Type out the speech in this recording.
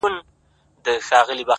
په زړه يې هر نقش سوی تور د قرآن وځي _